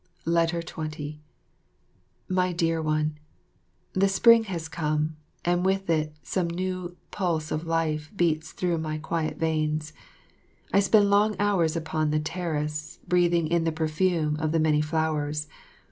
20 My Dear One, The spring has come, and with it some new pulse of life beats through my quiet veins. I spend long hours upon the terrace, breathing in the perfume of the many flowers.